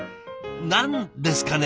何ですかね？